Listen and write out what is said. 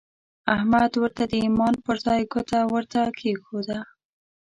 احمد ورته د ايمان پر ځای ګوته ورته کېښوده.